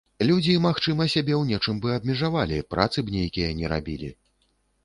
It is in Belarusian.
Людзі, магчыма, сябе ў нечым бы абмежавалі, працы б нейкія не рабілі.